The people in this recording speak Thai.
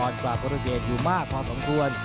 อ่อนกว่าโปรตูเกรดอยู่มากพอสมควร